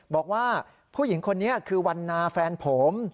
บอกว่าผู้หญิงคนนี้คือวันนาแฟนผม